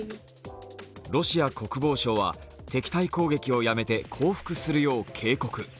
ロシア国防省は敵対攻撃をやめて降伏するよう警告。